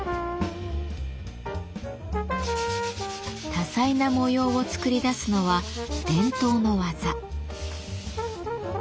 多彩な模様を作り出すのは伝統の技。